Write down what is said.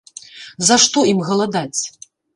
За што ім галадаць?